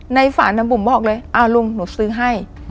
ในฝันบุ๋มบอกเลยลุงหนูซื้อให้